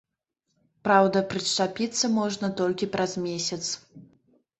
Праўда, прышчапіцца можна толькі праз месяц.